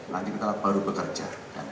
nanti kita baru bekerja